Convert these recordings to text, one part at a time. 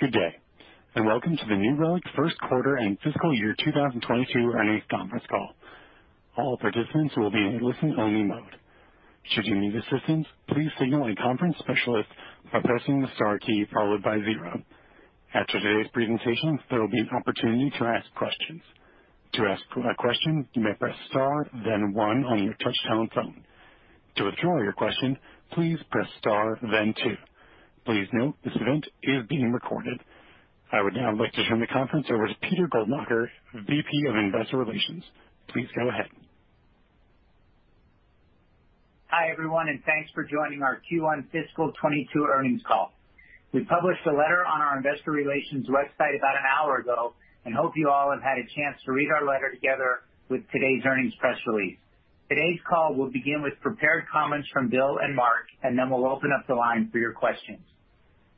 Good day, and welcome to the New Relic First Quarter and Fiscal Year 2022 Earnings Conference Call. All participants will be in listen-only mode. Should you need assistance, please signal a conference specialist by pressing the star key followed by zero. After today's presentation, there will be an opportunity to ask questions. To ask a question, you may press star then one on your touch-tone phone. To withdraw your question, please press star then two. Please note this event is being recorded. I would now like to turn the conference over to Peter Goldmacher, VP of Investor Relations. Please go ahead. Hi, everyone. Thanks for joining our Q1 fiscal 2022 earnings call. We published a letter on our investor relations website about an hour ago. Hope you all have had a chance to read our letter together with today's earnings press release. Today's call will begin with prepared comments from Bill and Mark. Then we'll open up the line for your questions.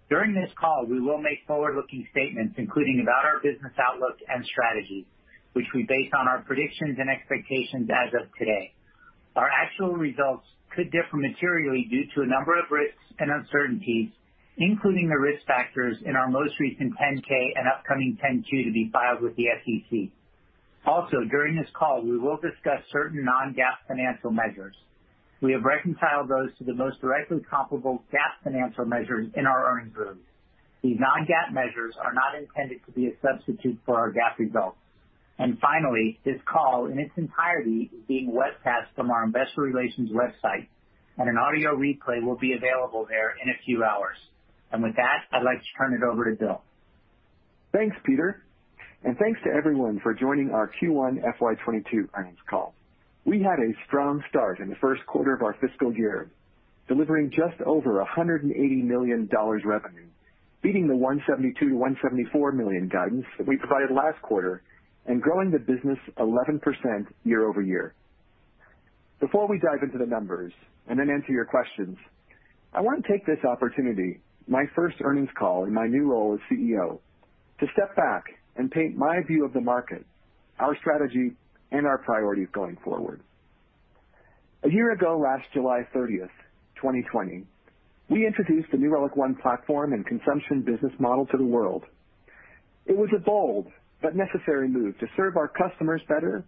During this call, we will make forward-looking statements, including about our business outlook and strategies, which we base on our predictions and expectations as of today. Our actual results could differ materially due to a number of risks and uncertainties, including the risk factors in our most recent 10-K and upcoming 10-Q to be filed with the SEC. Also, during this call, we will discuss certain non-GAAP financial measures. We have reconciled those to the most directly comparable GAAP financial measures in our earnings release. These non-GAAP measures are not intended to be a substitute for our GAAP results. Finally, this call in its entirety is being webcast from our investor relations website, and an audio replay will be available there in a few hours. With that, I'd like to turn it over to Bill. Thanks, Peter. Thanks to everyone for joining our Q1 FY 2022 earnings call. We had a strong start in the first quarter of our fiscal year, delivering just over $180 million revenue, beating the $172 million-$174 million guidance that we provided last quarter, and growing the business 11% year-over-year. Before we dive into the numbers and then answer your questions, I want to take this opportunity, my first earnings call in my new role as CEO, to step back and paint my view of the market, our strategy, and our priorities going forward. A year ago, last July 30th, 2020, we introduced the New Relic One platform and consumption business model to the world. It was a bold but necessary move to serve our customers better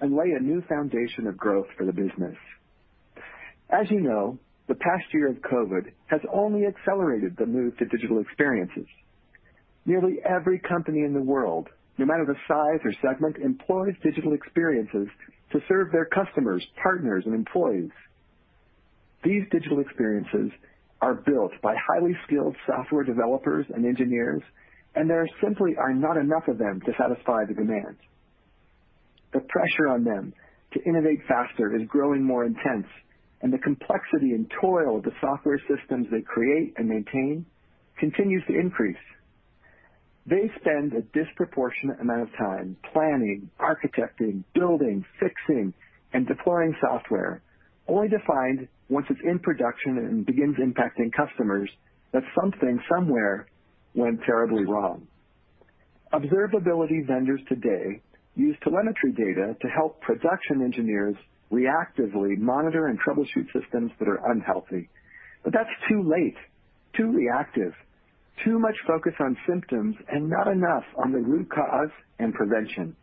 and lay a new foundation of growth for the business. As you know, the past year of COVID has only accelerated the move to digital experiences. Nearly every company in the world, no matter the size or segment, employs digital experiences to serve their customers, partners, and employees. These digital experiences are built by highly skilled software developers and engineers, and there simply are not enough of them to satisfy the demand. The pressure on them to innovate faster is growing more intense, and the complexity and toil of the software systems they create and maintain continues to increase. They spend a disproportionate amount of time planning, architecting, building, fixing, and deploying software, only to find once it's in production and begins impacting customers that something somewhere went terribly wrong. Observability vendors today use telemetry data to help production engineers reactively monitor and troubleshoot systems that are unhealthy. That's too late, too reactive, too much focus on symptoms, and not enough on the root cause and prevention.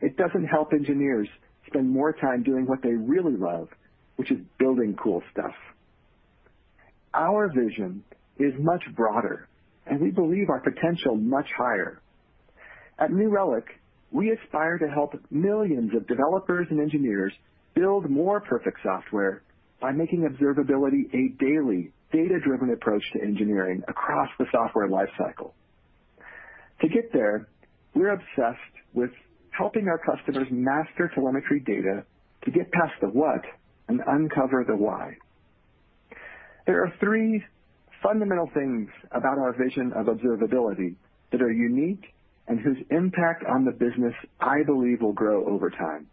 It doesn't help engineers spend more time doing what they really love, which is building cool stuff. Our vision is much broader, and we believe our potential much higher. At New Relic, we aspire to help millions of developers and engineers build more perfect software by making observability a daily, data-driven approach to engineering across the software life cycle. To get there, we're obsessed with helping our customers master telemetry data to get past the what and uncover the why. There are three fundamental things about our vision of observability that are unique and whose impact on the business I believe will grow over time.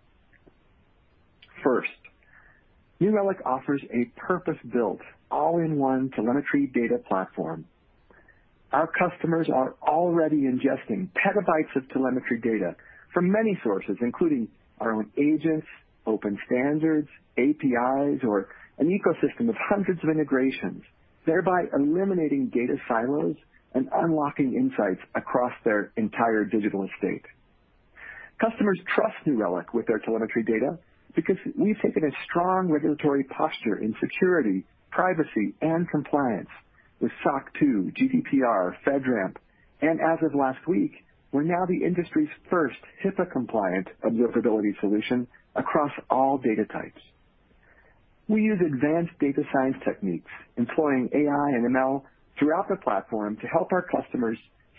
First, New Relic offers a purpose-built, all-in-one Telemetry Data Platform. Our customers are already ingesting petabytes of telemetry data from many sources, including our own agents, open standards, APIs, or an ecosystem of hundreds of integrations, thereby eliminating data silos and unlocking insights across their entire digital estate. Customers trust New Relic with their telemetry data because we've taken a strong regulatory posture in security, privacy, and compliance with SOC 2, GDPR, FedRAMP. As of last week, we're now the industry's first HIPAA-compliant observability solution across all data types. We use advanced data science techniques, employing AI and ML throughout the platform, to help our customers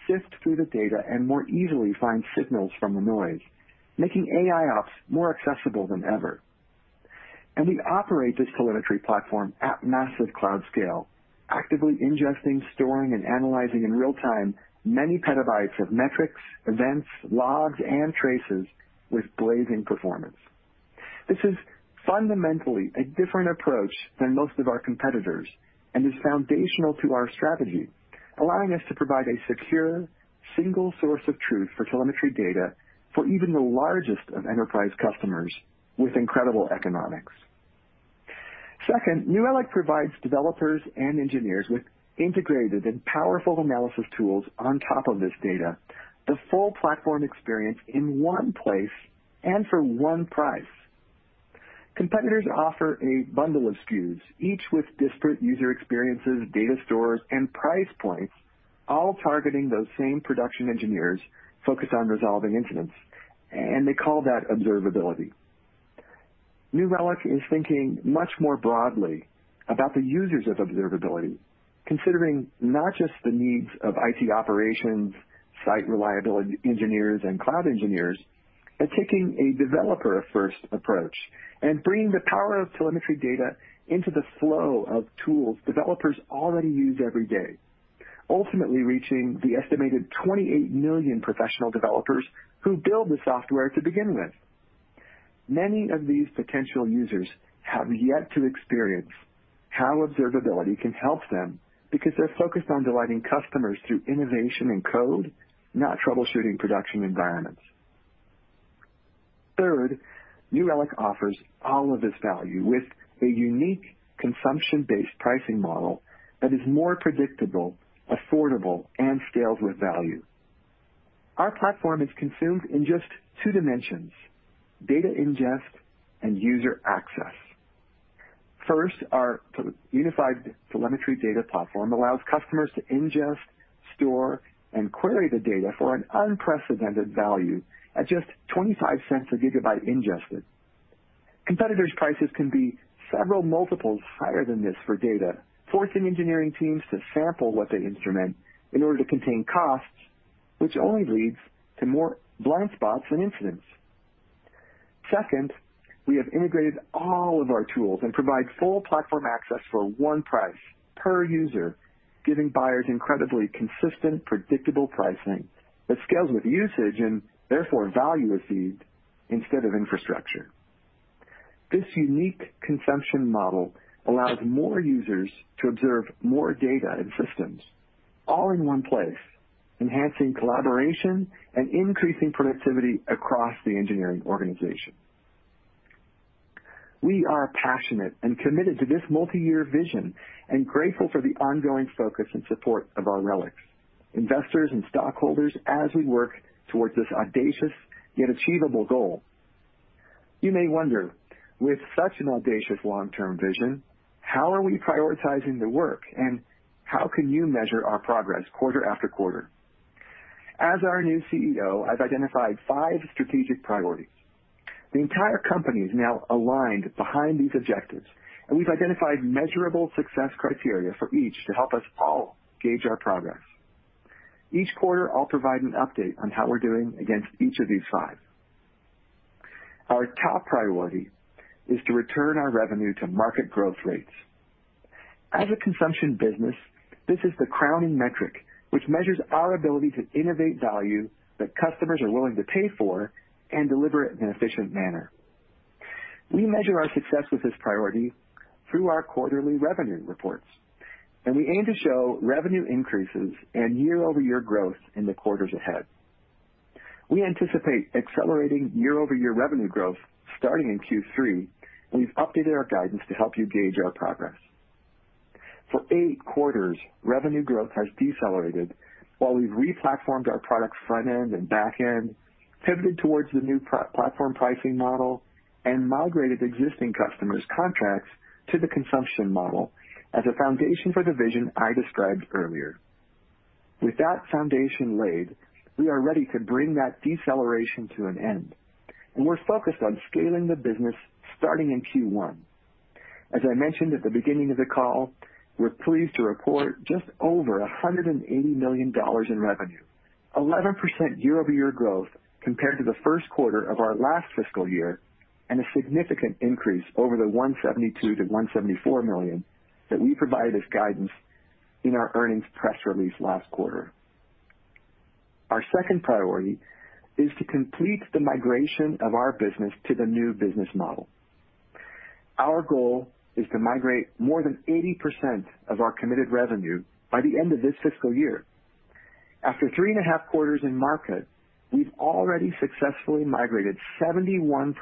sift through the data and more easily find signals from the noise, making AIOps more accessible than ever. We operate this telemetry platform at massive cloud scale, actively ingesting, storing, and analyzing in real time many petabytes of metrics, events, logs, and traces with blazing performance. This is fundamentally a different approach than most of our competitors and is foundational to our strategy, allowing us to provide a secure, single source of truth for telemetry data for even the largest of enterprise customers with incredible economics. Second, New Relic provides developers and engineers with integrated and powerful analysis tools on top of this data, the full platform experience in one place and for one price. Competitors offer a bundle of SKUs, each with disparate user experiences, data stores, and price points, all targeting those same production engineers focused on resolving incidents, and they call that observability. New Relic is thinking much more broadly about the users of observability, considering not just the needs of IT operations, site reliability engineers, and cloud engineers, but taking a developer-first approach and bringing the power of telemetry data into the flow of tools developers already use every day, ultimately reaching the estimated 28 million professional developers who build the software to begin with. Many of these potential users have yet to experience how observability can help them because they're focused on delighting customers through innovation in code, not troubleshooting production environments. Third, New Relic offers all of this value with a unique consumption-based pricing model that is more predictable, affordable, and scaled with value. Our platform is consumed in just two dimensions: data ingest and user access. First, our unified Telemetry Data Platform allows customers to ingest, store, and query the data for an unprecedented value at just $0.25 GB ingested. Competitors' prices can be several multiples higher than this for data, forcing engineering teams to sample what they instrument in order to contain costs, which only leads to more blind spots and incidents. Second, we have integrated all of our tools and provide full platform access for one price per user, giving buyers incredibly consistent, predictable pricing that scales with usage and therefore value received instead of infrastructure. This unique consumption model allows more users to observe more data and systems all in one place, enhancing collaboration and increasing productivity across the engineering organization. We are passionate and committed to this multi-year vision and grateful for the ongoing focus and support of our Relics, investors, and stockholders as we work towards this audacious yet achievable goal. You may wonder, with such an audacious long-term vision, how are we prioritizing the work, and how can you measure our progress quarter after quarter? As our new CEO, I've identified five strategic priorities. The entire company is now aligned behind these objectives, and we've identified measurable success criteria for each to help us all gauge our progress. Each quarter, I'll provide an update on how we're doing against each of these five. Our top priority is to return our revenue to market growth rates. As a consumption business, this is the crowning metric which measures our ability to innovate value that customers are willing to pay for and deliver it in an efficient manner. We measure our success with this priority through our quarterly revenue reports, and we aim to show revenue increases and year-over-year growth in the quarters ahead. We anticipate accelerating year-over-year revenue growth starting in Q3, and we've updated our guidance to help you gauge our progress. For eight quarters, revenue growth has decelerated while we've re-platformed our product front end and back end, pivoted towards the new platform pricing model, and migrated existing customers' contracts to the consumption model as a foundation for the vision I described earlier. With that foundation laid, we are ready to bring that deceleration to an end, and we're focused on scaling the business starting in Q1. As I mentioned at the beginning of the call, we're pleased to report just over $180 million in revenue, 11% year-over-year growth compared to the first quarter of our last fiscal year, and a significant increase over the $172 million-$174 million that we provided as guidance in our earnings press release last quarter. Our second priority is to complete the migration of our business to the new business model. Our goal is to migrate more than 80% of our committed revenue by the end of this fiscal year. After three and a half quarters in market, we've already successfully migrated 71%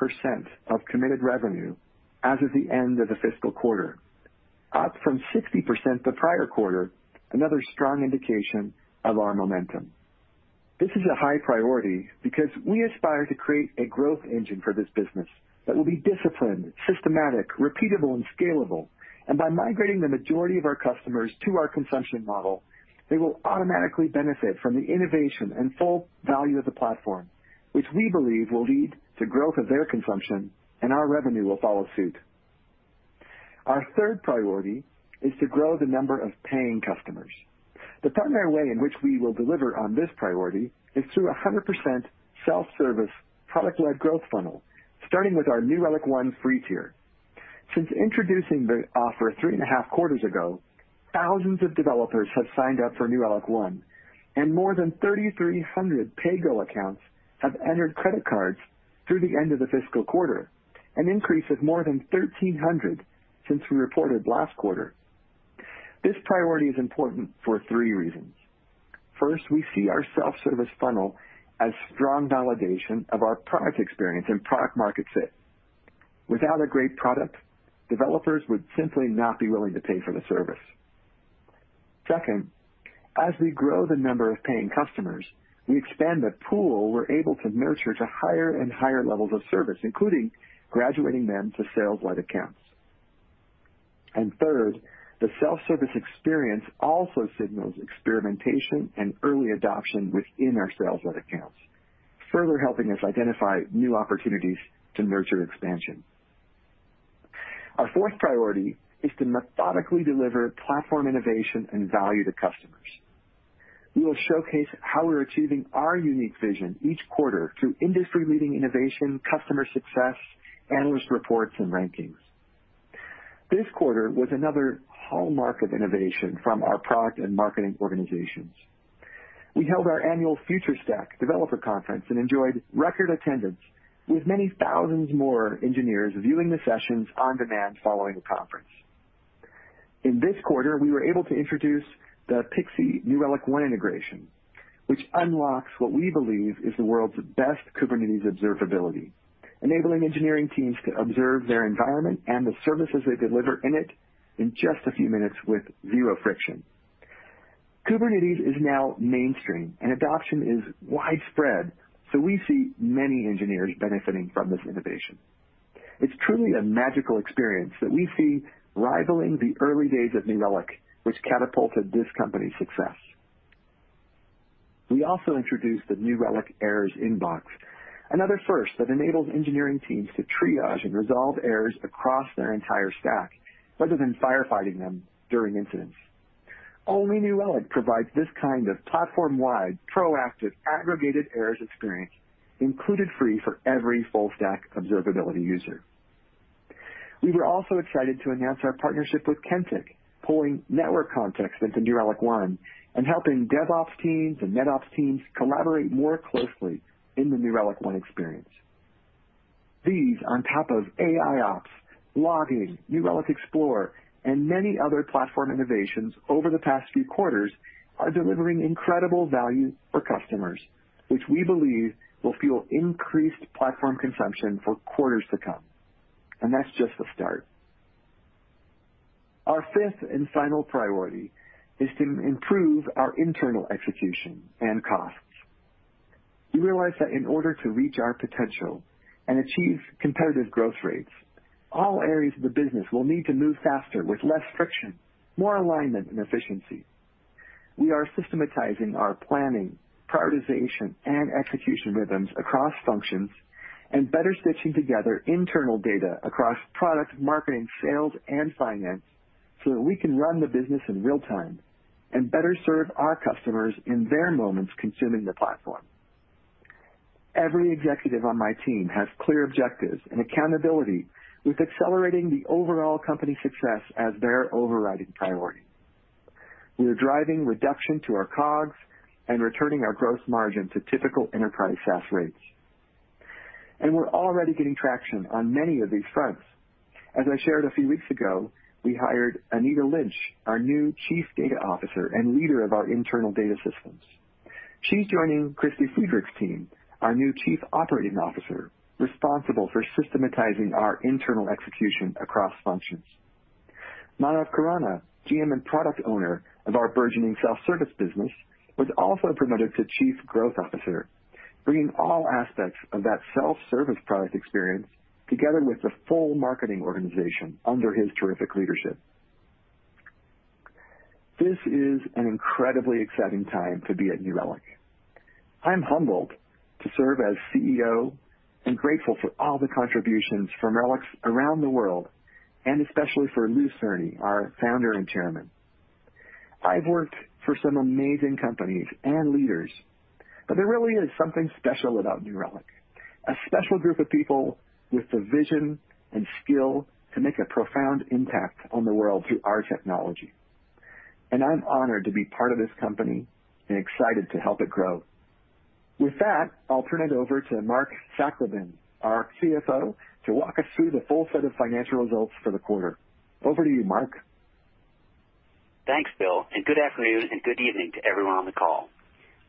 of committed revenue as of the end of the fiscal quarter, up from 60% the prior quarter, another strong indication of our momentum. This is a high priority because we aspire to create a growth engine for this business that will be disciplined, systematic, repeatable, and scalable. By migrating the majority of our customers to our consumption model, they will automatically benefit from the innovation and full value of the platform, which we believe will lead to growth of their consumption and our revenue will follow suit. Our third priority is to grow the number of paying customers. The primary way in which we will deliver on this priority is through 100% self-service product-led growth funnel, starting with our New Relic One free tier. Since introducing the offer three and a half quarters ago, thousands of developers have signed up for New Relic One, and more than 3,300 paid growth accounts have entered credit cards through the end of the fiscal quarter, an increase of more than 1,300 since we reported last quarter. This priority is important for three reasons. First, we see our self-service funnel as strong validation of our product experience and product market fit. Without a great product, developers would simply not be willing to pay for the service. Second, as we grow the number of paying customers, we expand the pool we're able to nurture to higher and higher levels of service, including graduating them to sales led accounts. Third, the self-service experience also signals experimentation and early adoption within our sales led accounts, further helping us identify new opportunities to nurture expansion. Our fourth priority is to methodically deliver platform innovation and value to customers. We will showcase how we're achieving our unique vision each quarter through industry-leading innovation, customer success, analyst reports, and rankings. This quarter was another hallmark of innovation from our product and marketing organizations. We held our annual FutureStack developer conference and enjoyed record attendance with many thousands more engineers viewing the sessions on demand following the conference. In this quarter, we were able to introduce the Pixie New Relic One integration, which unlocks what we believe is the world's best Kubernetes observability, enabling engineering teams to observe their environment and the services they deliver in it in just a few minutes with zero friction. Kubernetes is now mainstream and adoption is widespread. We see many engineers benefiting from this innovation. It's truly a magical experience that we see rivaling the early days of New Relic, which catapulted this company's success. We also introduced the New Relic Errors Inbox, another first that enables engineering teams to triage and resolve errors across their entire stack rather than firefighting them during incidents. Only New Relic provides this kind of platform-wide, proactive, aggregated errors experience included free for every full stack observability user. We were also excited to enhance our partnership with Kentik, pulling network context into New Relic One and helping DevOps teams and NetOps teams collaborate more closely in the New Relic One experience. These, on top of AIOps, logging, New Relic Explorer, and many other platform innovations over the past few quarters, are delivering incredible value for customers, which we believe will fuel increased platform consumption for quarters to come, and that's just the start. Our fifth and final priority is to improve our internal execution and costs. We realize that in order to reach our potential and achieve competitive growth rates, all areas of the business will need to move faster with less friction, more alignment, and efficiency. We are systematizing our planning, prioritization, and execution rhythms across functions and better stitching together internal data across product marketing, sales, and finance so that we can run the business in real time and better serve our customers in their moments consuming the platform. Every executive on my team has clear objectives and accountability, with accelerating the overall company success as their overriding priority. We are driving reduction to our COGS and returning our gross margin to typical enterprise SaaS rates. We're already getting traction on many of these fronts. As I shared a few weeks ago, we hired Anita Lynch, our new Chief Data Officer and leader of our internal data systems. She's joining Kristy Friedrichs' team, our new Chief Operating Officer responsible for systematizing our internal execution across functions. Manav Khurana, GM and product owner of our burgeoning self-service business, was also promoted to Chief Growth Officer, bringing all aspects of that self-service product experience together with the full marketing organization under his terrific leadership. This is an incredibly exciting time to be at New Relic. I'm humbled to serve as CEO and grateful for all the contributions from Relics around the world, and especially for Lew Cirne, our Founder and Chairman. I've worked for some amazing companies and leaders, there really is something special about New Relic. A special group of people with the vision and skill to make a profound impact on the world through our technology. I'm honored to be part of this company and excited to help it grow. With that, I'll turn it over to Mark Sachleben, our CFO, to walk us through the full set of financial results for the quarter. Over to you, Mark. Thanks, Bill. Good afternoon and good evening to everyone on the call.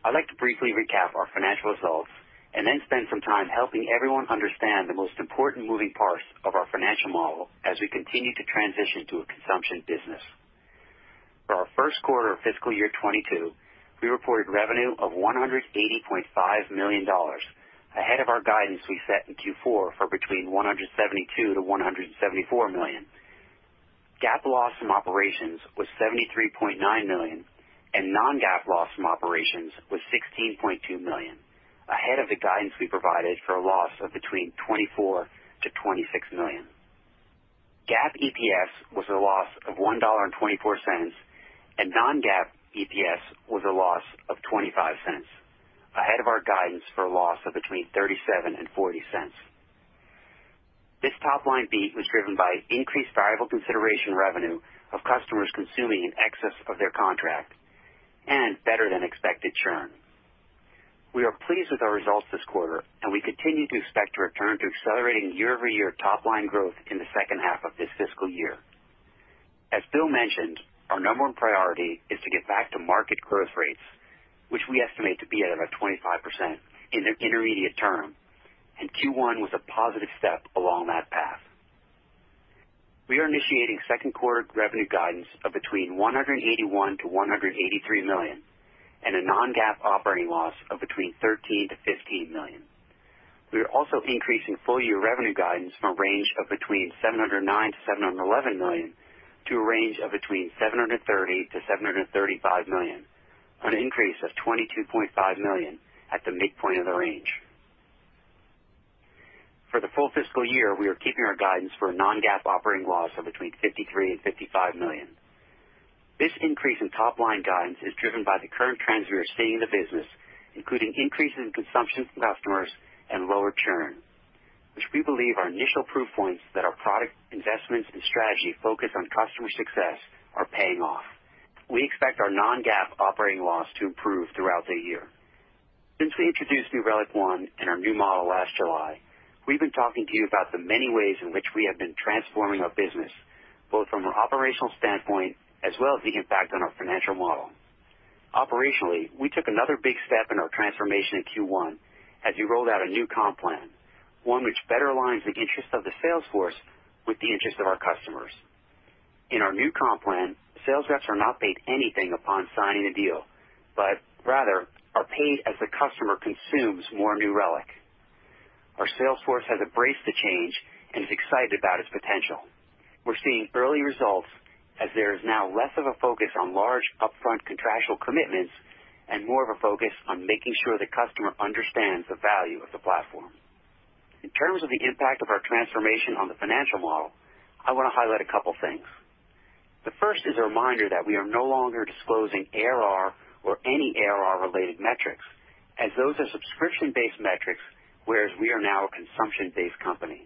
I'd like to briefly recap our financial results and then spend some time helping everyone understand the most important moving parts of our financial model as we continue to transition to a consumption business. For our first quarter of fiscal year 2022, we reported revenue of $180.5 million, ahead of our guidance we set in Q4 for between $172 million-$174 million. GAAP loss from operations was $73.9 million, and non-GAAP loss from operations was $16.2 million, ahead of the guidance we provided for a loss of between $24 million-$26 million. GAAP EPS was a loss of $1.24, and non-GAAP EPS was a loss of $0.25, ahead of our guidance for a loss of between $0.37 and $0.40. This top-line beat was driven by increased variable consideration revenue of customers consuming in excess of their contract and better than expected churn. We are pleased with our results this quarter, and we continue to expect to return to accelerating year-over-year top-line growth in the second half of this fiscal year. As Bill mentioned, our number one priority is to get back to market growth rates, which we estimate to be at about 25% in the intermediate term, and Q1 was a positive step along that path. We are initiating second quarter revenue guidance of between $181 million-$183 million, and a non-GAAP operating loss of between $13 million-$15 million. We are also increasing full year revenue guidance from a range of between $709 million-$711 million, to a range of between $730 million-$735 million, an increase of $22.5 million at the midpoint of the range. For the full fiscal year, we are keeping our guidance for non-GAAP operating loss of between $53 million and $55 million. This increase in top-line guidance is driven by the current trends we are seeing in the business, including increases in consumption from customers and lower churn, which we believe are initial proof points that our product investments and strategy focused on customer success are paying off. We expect our non-GAAP operating loss to improve throughout the year. Since we introduced New Relic One and our new model last July, we've been talking to you about the many ways in which we have been transforming our business, both from an operational standpoint as well as the impact on our financial model. Operationally, we took another big step in our transformation in Q1 as we rolled out a new comp plan, one which better aligns the interests of the sales force with the interests of our customers. In our new comp plan, sales reps are not paid anything upon signing a deal, but rather are paid as the customer consumes more New Relic. Our sales force has embraced the change and is excited about its potential. We're seeing early results as there is now less of a focus on large upfront contractual commitments and more of a focus on making sure the customer understands the value of the platform. In terms of the impact of our transformation on the financial model, I want to highlight a couple things. The first is a reminder that we are no longer disclosing ARR or any ARR related metrics, as those are subscription-based metrics, whereas we are now a consumption-based company.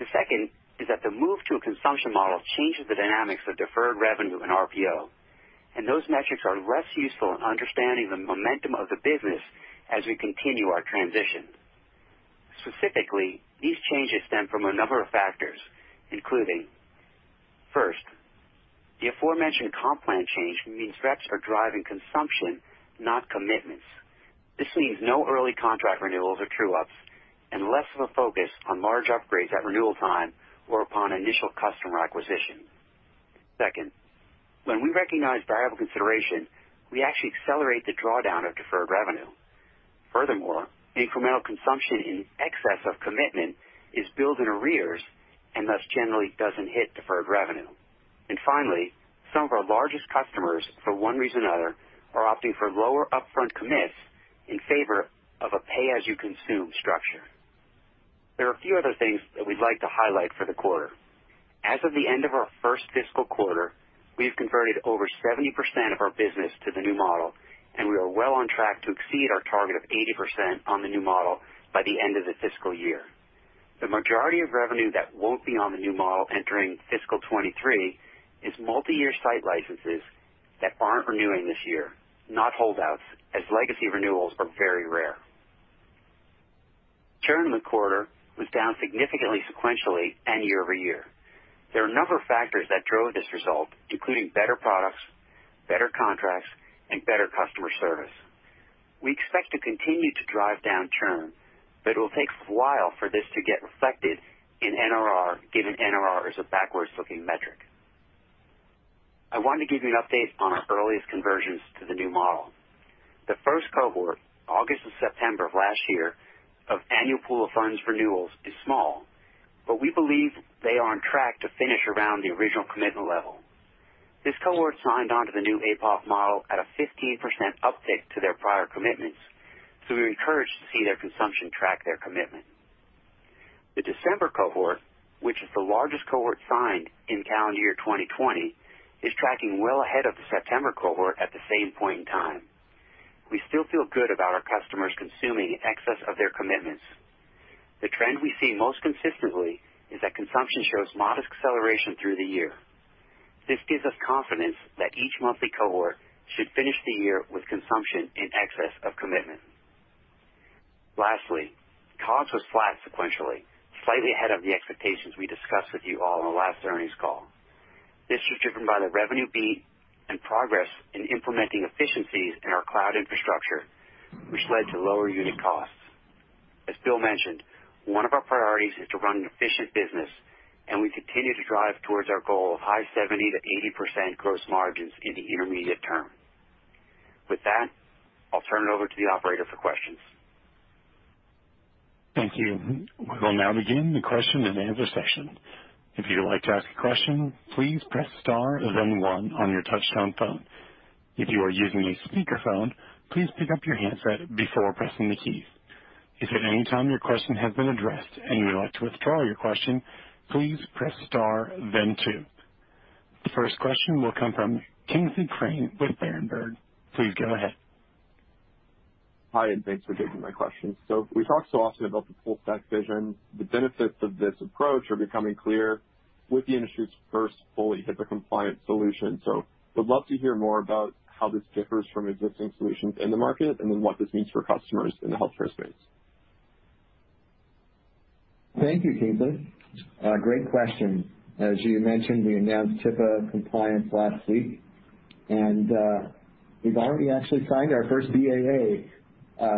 The second is that the move to a consumption model changes the dynamics of deferred revenue and RPO, and those metrics are less useful in understanding the momentum of the business as we continue our transition. Specifically, these changes stem from a number of factors, including, first, the aforementioned comp plan change means reps are driving consumption, not commitments. This means no early contract renewals or true-ups and less of a focus on large upgrades at renewal time or upon initial customer acquisition. Second, when we recognize variable consideration, we actually accelerate the drawdown of deferred revenue. Furthermore, incremental consumption in excess of commitment is built in arrears and thus generally doesn't hit deferred revenue. Finally, some of our largest customers, for one reason or other, are opting for lower upfront commits in favor of a pay-as-you-consume structure. There are a few other things that we'd like to highlight for the quarter. As of the end of our first fiscal quarter, we've converted over 70% of our business to the new model, and we are well on track to exceed our target of 80% on the new model by the end of the fiscal year. The majority of revenue that won't be on the new model entering fiscal 2023 is multi-year site licenses that aren't renewing this year, not holdouts, as legacy renewals are very rare. Churn in the quarter was down significantly sequentially and year-over-year. There are a number of factors that drove this result, including better products, better contracts, and better customer service. We expect to continue to drive down churn, but it will take a while for this to get reflected in NRR, given NRR is a backwards-looking metric. I want to give you an update on our earliest conversions to the new model. The first cohort, August and September of last year, of annual pool of funds renewals is small, but we believe they are on track to finish around the original commitment level. This cohort signed onto the new APOF model at a 15% uptick to their prior commitments, so we were encouraged to see their consumption track their commitment. The December cohort, which is the largest cohort signed in calendar year 2020, is tracking well ahead of the September cohort at the same point in time. We still feel good about our customers consuming in excess of their commitments. The trend we see most consistently is that consumption shows modest acceleration through the year. This gives us confidence that each monthly cohort should finish the year with consumption in excess of commitment. Lastly, COGS was flat sequentially, slightly ahead of the expectations we discussed with you all on the last earnings call. This was driven by the revenue beat and progress in implementing efficiencies in our cloud infrastructure, which led to lower unit costs. As Bill mentioned, one of our priorities is to run an efficient business, and we continue to drive towards our goal of high 70%-80% gross margins in the intermediate term. With that, I'll turn it over to the operator for questions. Thank you. We will now begin the question and answer session. If you would like to ask a question, please press star and then one on your touchtone phone. If you are using a speakerphone, please take out your headset before pressing keys. If at any time your question has been addressed and you want to withdraw your question, please press star and then two. The first question will come from Kingsley Crane with Berenberg. Please go ahead. Hi, thanks for taking my question. We talk so often about the full stack vision. The benefits of this approach are becoming clear with the industry's first fully HIPAA-compliant solution. Would love to hear more about how this differs from existing solutions in the market, and then what this means for customers in the healthcare space. Thank you, Kingsley. Great question. As you mentioned, we announced HIPAA compliance last week, and we've already actually signed our first BAA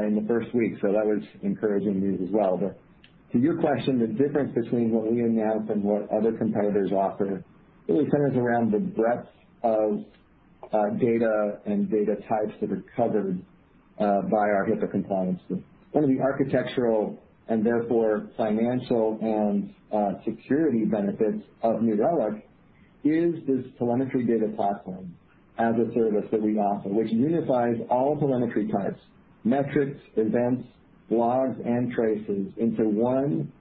in the first week, that was encouraging news as well. To your question, the difference between what we announced and what other competitors offer really centers around the breadth of data and data types that are covered by our HIPAA compliance. One of the architectural, and therefore financial and security benefits of New Relic is this Telemetry Data Platform as a service that we offer, which unifies all telemetry types, metrics, events, logs, and traces into one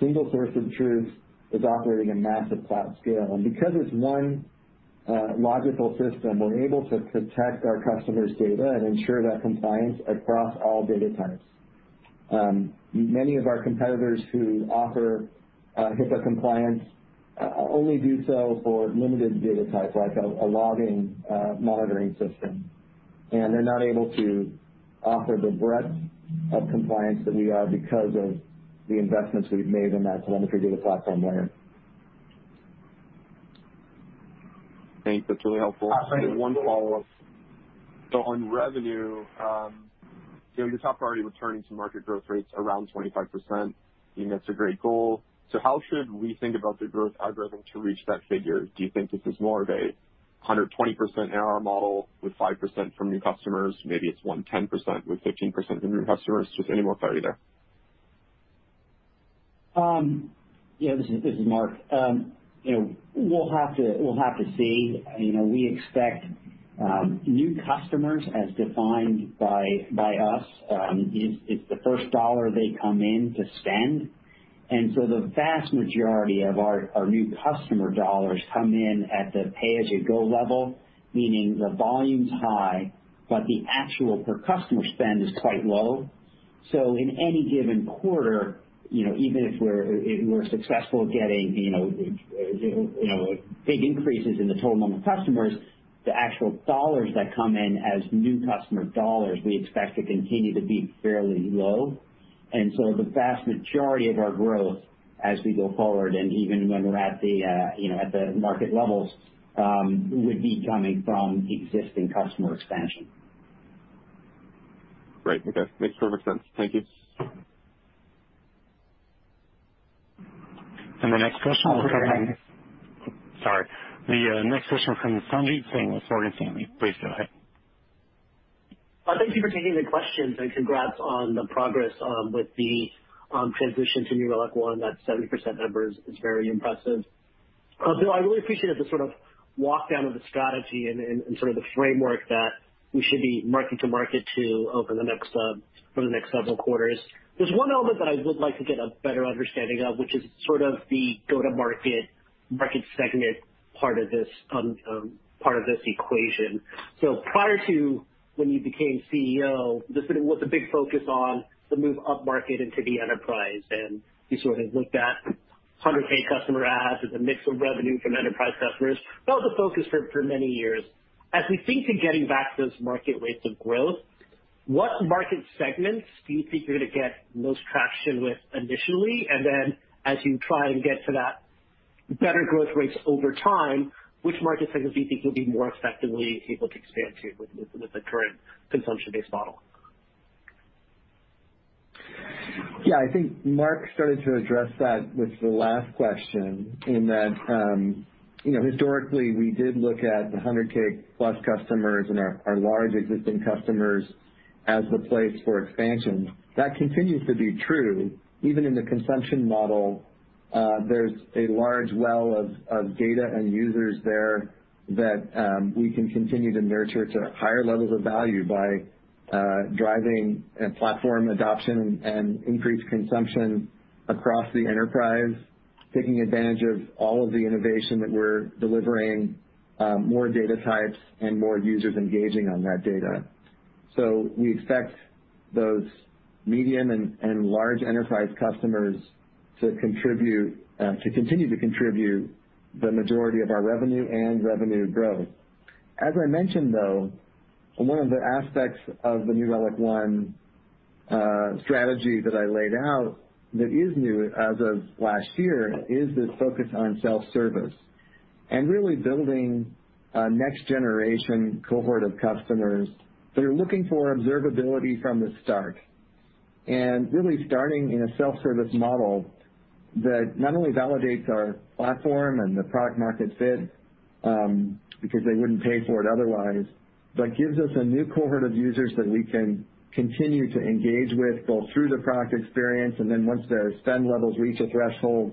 single source of truth that's operating at massive cloud scale. Because it's one logical system, we're able to protect our customers' data and ensure that compliance across all data types. Many of our competitors who offer HIPAA compliance only do so for limited data types, like a logging monitoring system. They're not able to offer the breadth of compliance that we are because of the investments we've made in that Telemetry Data Platform layer. Thanks. That's really helpful. One follow-up. On revenue, you talked about already returning to market growth rates around 25%, and that's a great goal. How should we think about the growth algorithm to reach that figure? Do you think this is more of a 120% ARR model with 5% from new customers? Maybe it's 110% with 15% from new customers. Just any more clarity there? Yeah. This is Mark. We'll have to see. We expect new customers as defined by us, it's the first dollar they come in to spend. The vast majority of our new customer dollars come in at the pay-as-you-go level, meaning the volume's high, but the actual per-customer spend is quite low. In any given quarter, even if we're successful getting big increases in the total number of customers, the actual dollars that come in as new customer dollars, we expect to continue to be fairly low. The vast majority of our growth as we go forward, and even when we're at the market levels, would be coming from existing customer expansion. Great. Okay. Makes perfect sense. Thank you. The next question- Oh, go ahead. Sorry. The next question from Sanjit Singh with Morgan Stanley. Please go ahead. Thank you for taking the questions. Congrats on the progress with the transition to New Relic One. That 70% number is very impressive. Bill, I really appreciated the sort of walk down of the strategy and sort of the framework that we should be marking to market to over the next several quarters. There's one element that I would like to get a better understanding of, which is sort of the go-to-market, market segment part of this equation. Prior to when you became CEO, there sort of was a big focus on the move upmarket into the enterprise, and we sort of looked at 100K customer adds as a mix of revenue from enterprise customers. That was a focus for many years. As we think to getting back those market rates of growth, what market segments do you think you're going to get the most traction with initially? As you try and get to that better growth rates over time, which market segments do you think you'll be more effectively able to expand to with the current consumption-based model? I think Mark started to address that with the last question in that, historically, we did look at the 100K-plus customers and our large existing customers as the place for expansion. That continues to be true. Even in the consumption model, there's a large well of data and users there that we can continue to nurture to higher levels of value by driving platform adoption and increased consumption across the enterprise, taking advantage of all of the innovation that we're delivering, more data types and more users engaging on that data. We expect those medium and large enterprise customers to continue to contribute the majority of our revenue and revenue growth. As I mentioned, though, one of the aspects of the New Relic One strategy that I laid out that is new as of last year is this focus on self-service and really building a next generation cohort of customers that are looking for observability from the start, and really starting in a self-service model that not only validates our platform and the product market fit, because they wouldn't pay for it otherwise. Gives us a new cohort of users that we can continue to engage with, both through the product experience and then once their spend levels reach a threshold,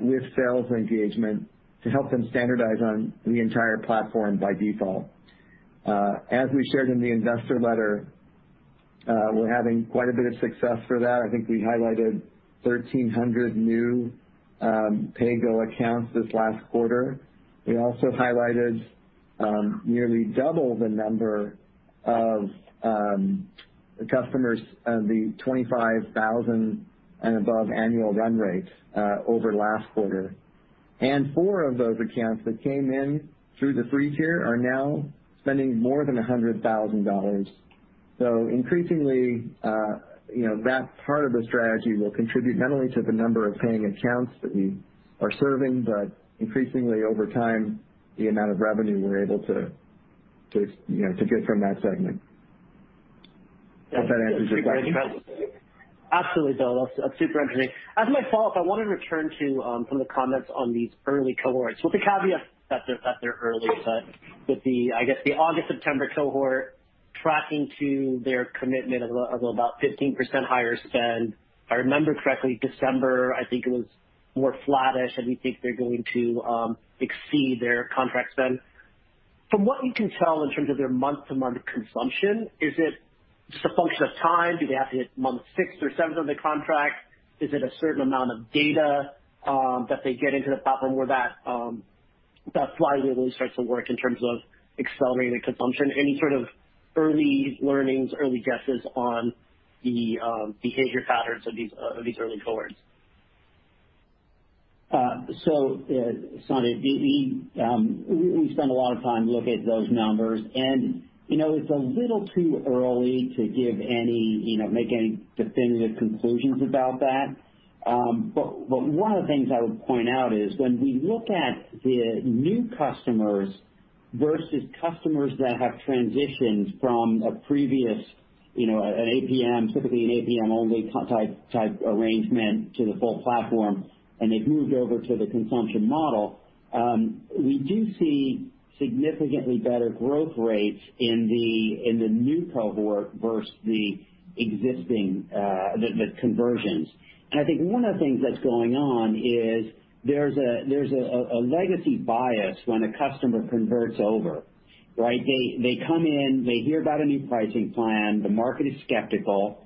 with sales engagement to help them standardize on the entire platform by default. As we shared in the investor letter, we're having quite a bit of success for that. I think we highlighted 1,300 new pay-go accounts this last quarter. We also highlighted nearly double the number of customers, the 25,000 and above annual run rate over last quarter. Four of those accounts that came in through the free tier are now spending more than $100,000. Increasingly, that part of the strategy will contribute not only to the number of paying accounts that we are serving, but increasingly over time, the amount of revenue we're able to get from that segment. Hope that answers your question. Absolutely, Bill. That's super interesting. As my follow-up, I want to return to some of the comments on these early cohorts with the caveat that they're early, but with the August, September cohort tracking to their commitment of about 15% higher spend. If I remember correctly, December, I think it was more flattish, and we think they're going to exceed their contract spend. From what you can tell in terms of their month-to-month consumption, is it just a function of time? Do they have to hit month six or seven of the contract? Is it a certain amount of data that they get into the platform where that flywheel really starts to work in terms of accelerating the consumption? Any sort of early learnings, early guesses on the behavior patterns of these early cohorts? Sanjit, we spend a lot of time looking at those numbers, and it's a little too early to make any definitive conclusions about that. One of the things I would point out is when we look at the new customers versus customers that have transitioned from a previous APM, typically an APM-only type arrangement to the full platform, and they've moved over to the consumption model, we do see significantly better growth rates in the new cohort versus the existing, the conversions. I think one of the things that's going on is there's a legacy bias when a customer converts over, right? They come in, they hear about a new pricing plan. The market is skeptical,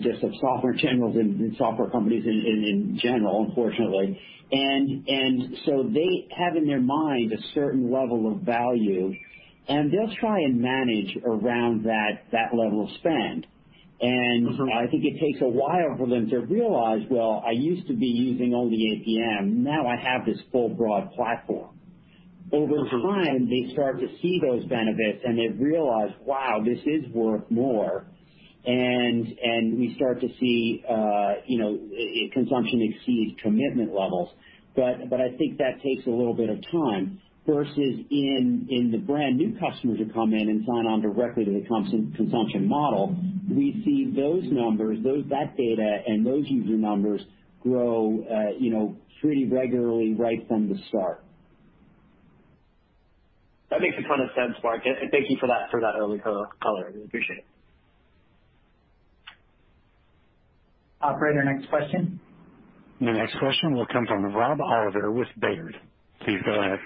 just of software in general and software companies in general, unfortunately. They have in their mind a certain level of value, and they'll try and manage around that level of spend. I think it takes a while for them to realize, well, I used to be using only APM, now I have this full, broad platform. Over time, they start to see those benefits and they realize, wow, this is worth more. We start to see consumption exceeds commitment levels. I think that takes a little bit of time versus in the brand new customers who come in and sign on directly to the consumption model. We see those numbers, that data, and those user numbers grow pretty regularly right from the start. That makes a ton of sense, Mark, and thank you for that early color. I appreciate it. Operator, next question. The next question will come from Rob Oliver with Baird. Please go ahead.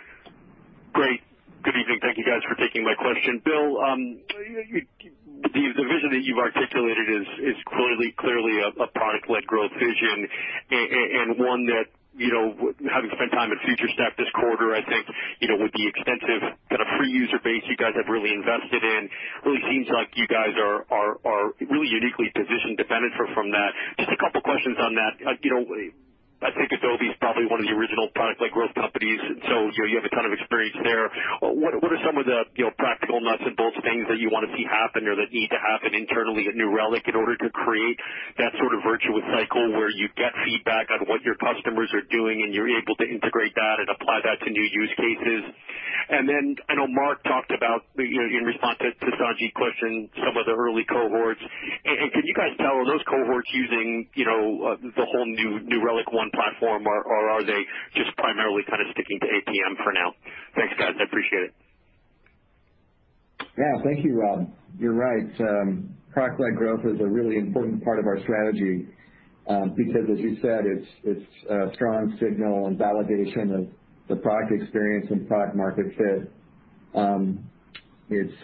Great. Good evening. Thank you guys for taking my question. Bill, the vision that you've articulated is clearly a product-led growth vision and one that, having spent time at FutureStack this quarter, I think, with the extensive kind of free user base you guys have really invested in, really seems like you guys are really uniquely positioned to benefit from that. Just a couple questions on that. I think Adobe's probably one of the original product-led growth companies, and so you have a ton of experience there. What are some of the practical nuts and bolts things that you want to see happen or that need to happen internally at New Relic in order to create that sort of virtuous cycle where you get feedback on what your customers are doing, and you're able to integrate that and apply that to new use cases? I know Mark talked about, in response to Sanjit's question, some of the early cohorts. Can you guys tell, are those cohorts using the whole new New Relic One platform, or are they just primarily kind of sticking to APM for now? Thanks, guys. I appreciate it. Yeah. Thank you, Rob. You're right. Product-led growth is a really important part of our strategy, because as you said, it's a strong signal and validation of the product experience and product market fit. It's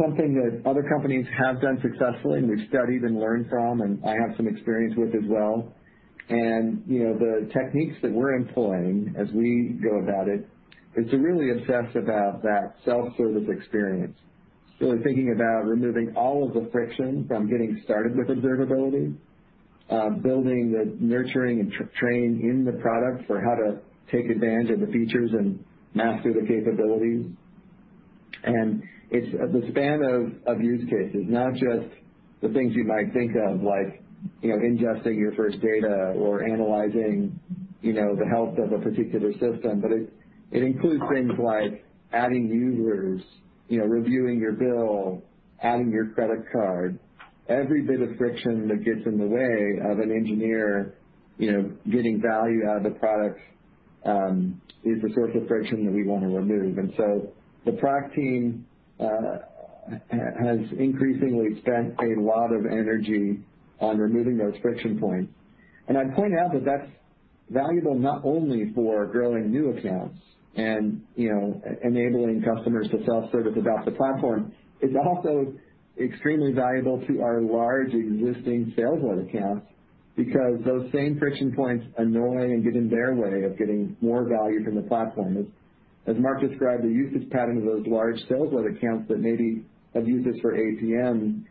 something that other companies have done successfully, and we've studied and learned from, and I have some experience with as well. The techniques that we're employing as we go about it is to really obsess about that self-service experience. Really thinking about removing all of the friction from getting started with observability, building the nurturing and training in the product for how to take advantage of the features and master the capabilities. It's the span of use cases, not just the things you might think of like ingesting your first data or analyzing the health of a particular system. It includes things like adding users, reviewing your bill, adding your credit card. Every bit of friction that gets in the way of an engineer getting value out of the product is the source of friction that we want to remove. The product team has increasingly spent a lot of energy on removing those friction points. I'd point out that that's valuable not only for growing new accounts and enabling customers to self-service about the platform. It's also extremely valuable to our large existing sales load accounts. Those same friction points annoy and get in their way of getting more value from the platform. As Mark described, the usage pattern of those large sales order accounts that maybe have used this for APM,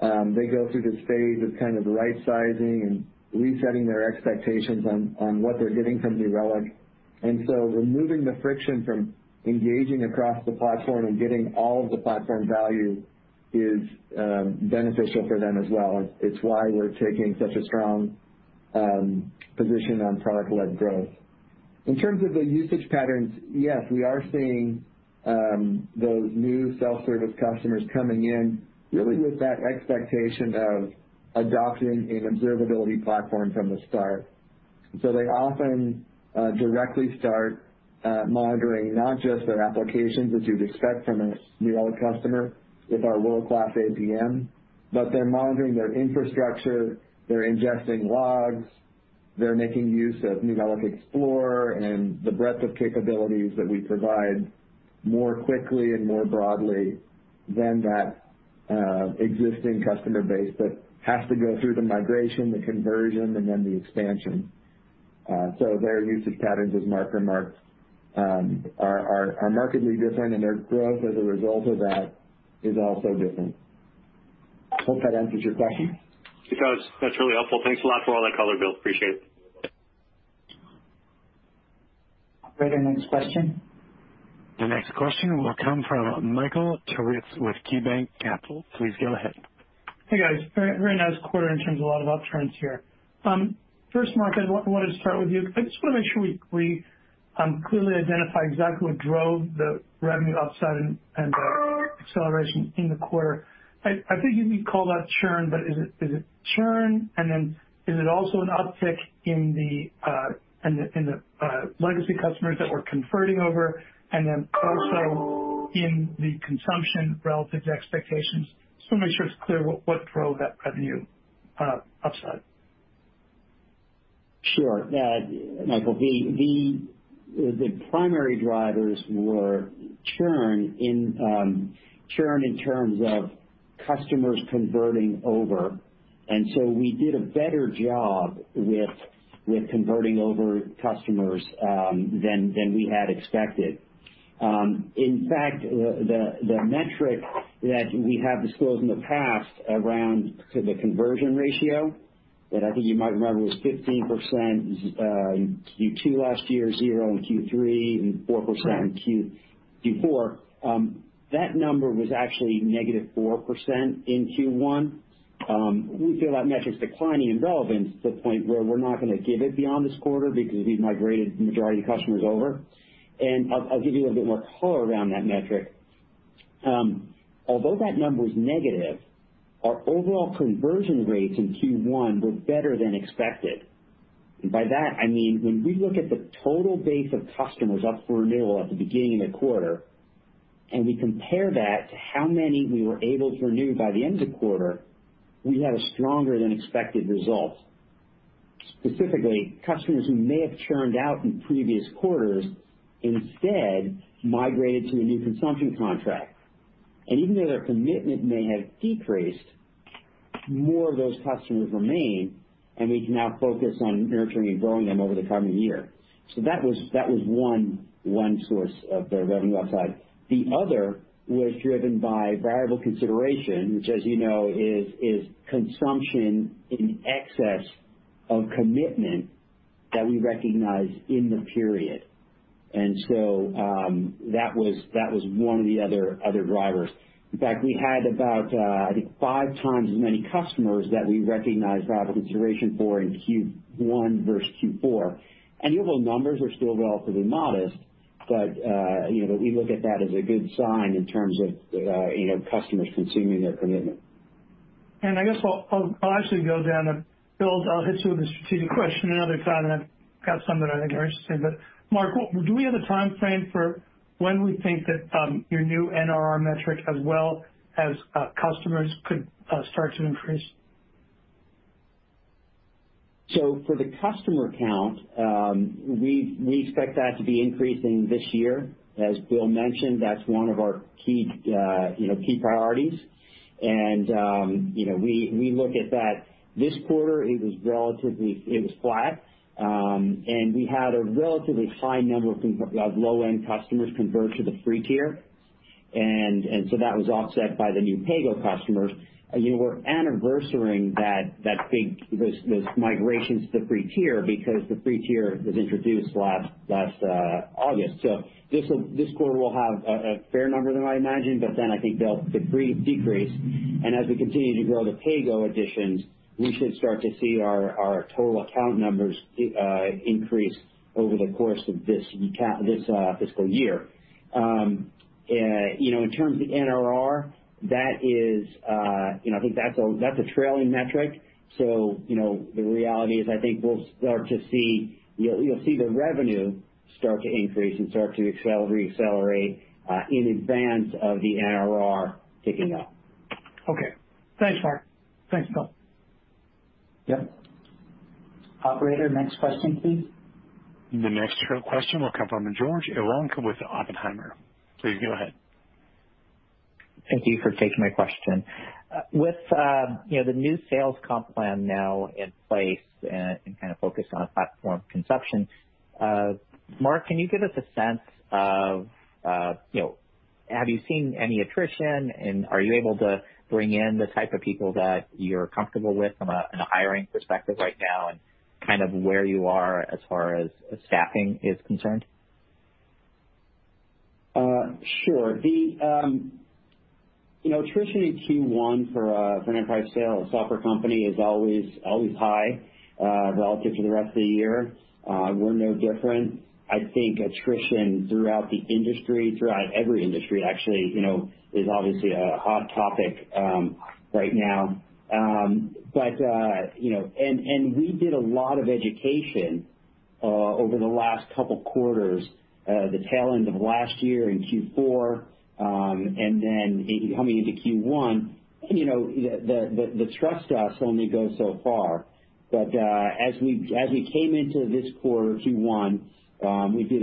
they go through this phase of right-sizing and resetting their expectations on what they're getting from New Relic. Removing the friction from engaging across the platform and getting all of the platform value is beneficial for them as well. It's why we're taking such a strong position on product-led growth. In terms of the usage patterns, yes, we are seeing those new self-service customers coming in really with that expectation of adopting an observability platform from the start. They often directly start monitoring not just their applications as you'd expect from a New Relic customer with our world-class APM, but they're monitoring their infrastructure, they're ingesting logs, they're making use of New Relic Explorer and the breadth of capabilities that we provide more quickly and more broadly than that existing customer base that has to go through the migration, the conversion, and then the expansion. Their usage patterns, as Mark remarked, are markedly different, and their growth as a result of that is also different. Hope that answers your question. It does. That's really helpful. Thanks a lot for all that color, Bill. Appreciate it. Operator, next question. The next question will come from Michael Turits with KeyBanc Capital. Please go ahead. Hey, guys. Very nice quarter in terms of a lot of upturns here. First, Mark, I wanted to start with you. I just want to make sure we clearly identify exactly what drove the revenue upside and the acceleration in the quarter. I think you'd call that churn, but is it churn, and then is it also an uptick in the legacy customers that we're converting over, and then also in the consumption relative to expectations? Just want to make sure it's clear what drove that revenue upside. Sure. Michael, the primary drivers were churn in terms of customers converting over, so we did a better job with converting over customers than we had expected. In fact, the metric that we have disclosed in the past around the conversion ratio that I think you might remember was 15% in Q2 last year, 0 in Q3, and 4% in Q4. That number was actually -4% in Q1. We feel that metric's declining in relevance to the point where we're not going to give it beyond this quarter because we've migrated the majority of customers over. I'll give you a little bit more color around that metric. Although that number is negative, our overall conversion rates in Q1 were better than expected. By that, I mean when we look at the total base of customers up for renewal at the beginning of the quarter, and we compare that to how many we were able to renew by the end of the quarter, we had a stronger than expected result. Specifically, customers who may have churned out in previous quarters instead migrated to a new consumption contract. Even though their commitment may have decreased, more of those customers remain, and we can now focus on nurturing and growing them over the coming year. That was one source of the revenue upside. The other was driven by variable consideration, which as you know, is consumption in excess of commitment that we recognize in the period. That was one of the other drivers. In fact, we had about, I think, 5x as many customers that we recognized variable consideration for in Q1 versus Q4. Annual numbers are still relatively modest, but we look at that as a good sign in terms of customers consuming their commitment. I guess I'll actually go down to Bill. I'll hit you with a strategic question another time, and I've got some that I think are interesting. Mark, do we have a timeframe for when we think that your new NRR metric as well as customers could start to increase? For the customer count, we expect that to be increasing this year. As Bill mentioned, that's one of our key priorities. We look at that. This quarter, it was flat. We had a relatively high number of low-end customers convert to the free tier. That was offset by the new pay-go customers. We're anniversarying those migrations to the free tier because the free tier was introduced last August. This quarter will have a fair number, I imagine, but then I think they'll decrease. As we continue to grow the pay-go additions, we should start to see our total account numbers increase over the course of this fiscal year. In terms of NRR, that is I think that's a trailing metric. The reality is, I think you'll see the revenue start to increase and start to re-accelerate in advance of the NRR ticking up. Okay. Thanks, Mark. Thanks, Bill. Yep. Operator, next question, please. The next question will come from George Iwanyc with Oppenheimer. Please go ahead. Thank you for taking my question. With the new sales comp plan now in place and focused on platform consumption, Mark, can you give us a sense of, have you seen any attrition, and are you able to bring in the type of people that you're comfortable with from a hiring perspective right now, and where you are as far as staffing is concerned? Sure. Attrition in Q1 for an enterprise sales software company is always high relative to the rest of the year. We're no different. I think attrition throughout the industry, throughout every industry, actually, is obviously a hot topic right now. We did a lot of education over the last couple of quarters, the tail end of last year in Q4, and then coming into Q1, and the trust does only go so far. As we came into this quarter, Q1, we did,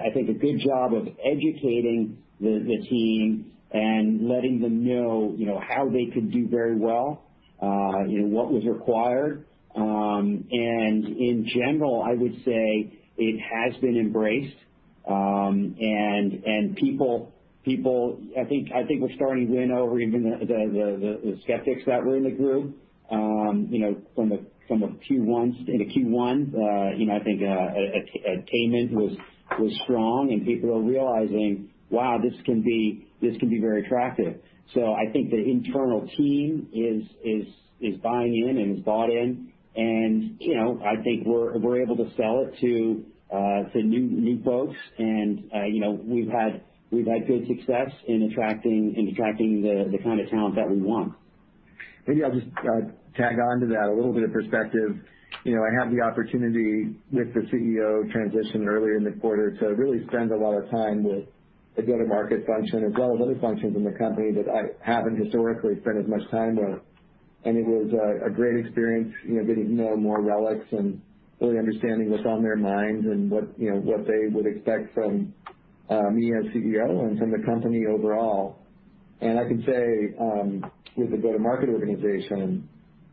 I think, a good job of educating the team and letting them know how they could do very well and what was required. In general, I would say it has been embraced. People, I think, we're starting to win over even the skeptics that were in the group from the Q1s. In the Q1, I think attainment was strong, and people are realizing, "Wow, this can be very attractive." I think the internal team is buying in and is bought in, and I think we're able to sell it to new folks, and we've had good success in attracting the kind of talent that we want. Maybe I'll just tag onto that a little bit of perspective. I had the opportunity with the CEO transition earlier in the quarter to really spend a lot of time with the go-to-market function as well as other functions in the company that I haven't historically spent as much time with. It was a great experience, getting to know more of New Relic and really understanding what's on their minds and what they would expect from me as CEO and from the company overall. I can say, with the go-to-market organization,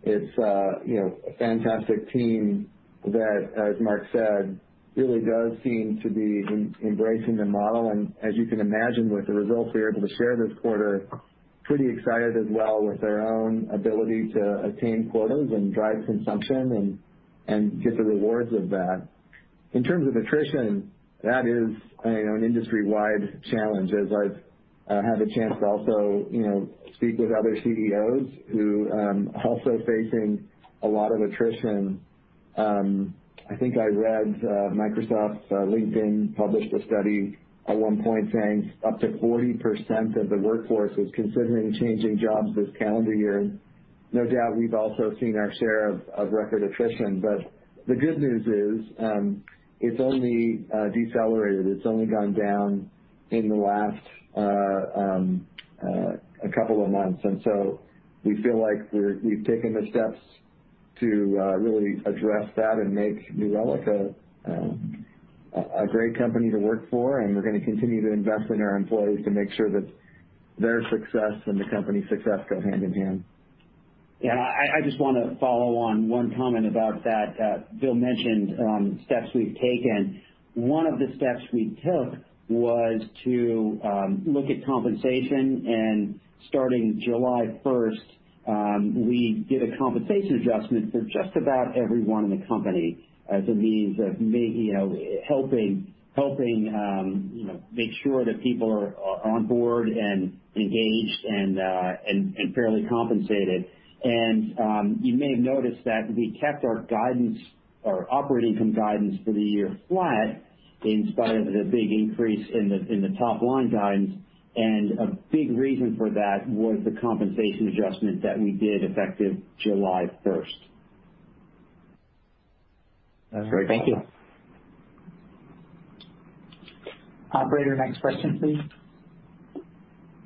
it's a fantastic team that, as Mark said, really does seem to be embracing the model, and as you can imagine, with the results we were able to share this quarter, pretty excited as well with their own ability to attain quotas and drive consumption and get the rewards of that. In terms of attrition, that is an industry-wide challenge, as I've had the chance to also speak with other CEOs who are also facing a lot of attrition. I think I read Microsoft, LinkedIn published a study at one point saying up to 40% of the workforce was considering changing jobs this calendar year. No doubt we've also seen our share of record attrition. The good news is, it's only decelerated. It's only gone down in the last couple of months. We feel like we've taken the steps to really address that and make New Relic a great company to work for, and we're going to continue to invest in our employees to make sure that their success and the company's success go hand in hand. I just want to follow on one comment about that. Bill mentioned steps we've taken. One of the steps we took was to look at compensation. Starting July 1st, we did a compensation adjustment for just about everyone in the company as a means of helping make sure that people are on board and engaged and fairly compensated. You may have noticed that we kept our operating income guidance for the year flat in spite of the big increase in the top-line guidance. A big reason for that was the compensation adjustment that we did effective July 1st. Great. Thank you. Operator, next question, please.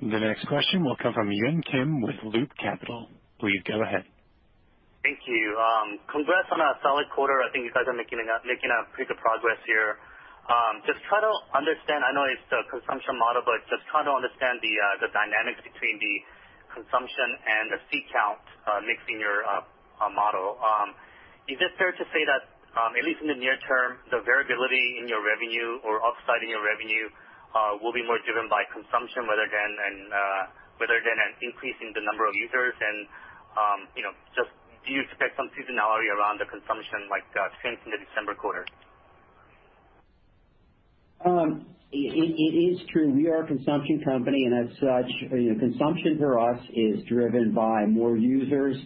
The next question will come from Yun Kim with Loop Capital. Please go ahead. Thank you. Congrats on a solid quarter. I think you guys are making pretty good progress here. I know it's the consumption model. Just trying to understand the dynamics between the consumption and the seat count mix in your model. Is it fair to say that, at least in the near term, the variability in your revenue or upside in your revenue will be more driven by consumption rather than an increase in the number of users? Do you expect some seasonality around the consumption like strength in the December quarter? It is true. We are a consumption company, and as such, consumption for us is driven by more users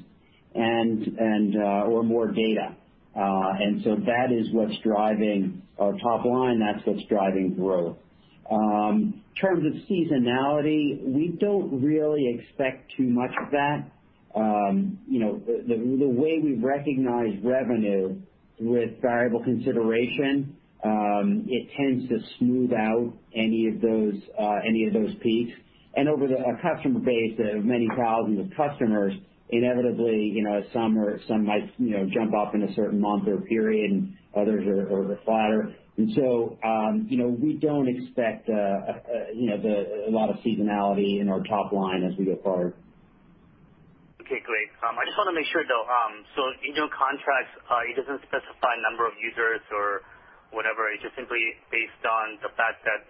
or more data. That is what's driving our top line. That's what's driving growth. In terms of seasonality, we don't really expect too much of that. The way we recognize revenue with variable consideration, it tends to smooth out any of those peaks. Over our customer base of many thousands of customers, inevitably, some might jump up in a certain month or period, and others are flatter. We don't expect a lot of seasonality in our top line as we go forward. Okay, great. I just want to make sure, though. In your contracts, it doesn't specify number of users or whatever, it's just simply based on the fact that